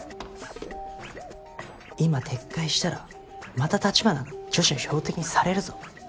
今撤回したらまた橘が女子の標的にされるぞ。